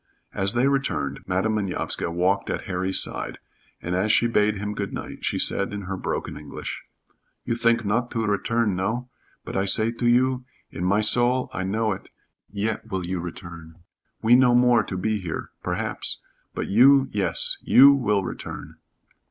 As they returned Madam Manovska walked at Harry's side, and as she bade him good night she said in her broken English: "You think not to return no? But I say to you in my soul I know it yet will you return we no more to be here perhaps but you yes. You will return."